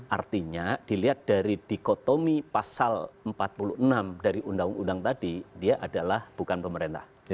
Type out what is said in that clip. artinya dilihat dari dikotomi pasal empat puluh enam dari undang undang tadi dia adalah bukan pemerintah